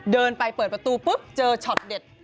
เดินไปเปิดประตูปุ๊บเจอช็อตเด็ด